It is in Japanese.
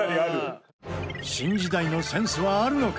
新時代のセンスはあるのか？